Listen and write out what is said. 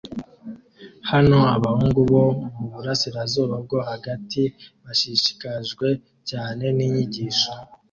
Hano abahungu bo muburasirazuba bwo hagati bashishikajwe cyane ninyigisho